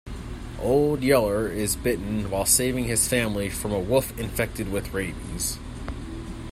Old Yeller is bitten while saving his family from a wolf infected with rabies.